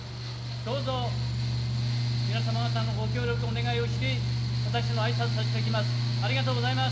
どうぞ皆様方のご協力をお願いをし、私のあいさつとさせていただきます。